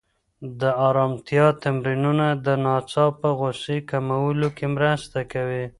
د ارامتیا تمرینونه د ناڅاپه غوسې کمولو کې مرسته کوي.